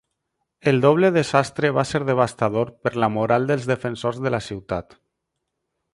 El doble desastre va ser devastador per la moral dels defensors de la ciutat.